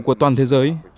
của toàn thế giới